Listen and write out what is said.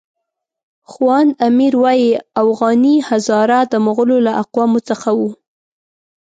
خواند امیر وایي اوغاني هزاره د مغولو له اقوامو څخه وو.